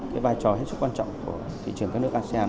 cái vai trò hết sức quan trọng của thị trường các nước asean